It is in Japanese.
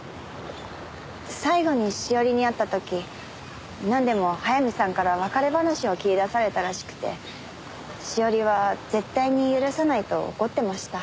最後に詩織に会った時なんでも早見さんから別れ話を切り出されたらしくて詩織は絶対に許さないと怒ってました。